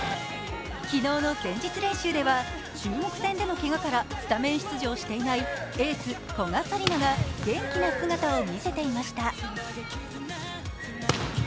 昨日の前日練習では中国戦でのけがから出場していないエース・古賀紗理那が元気な姿を見せていました。